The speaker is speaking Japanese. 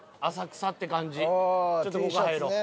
ちょっとここ入ろう。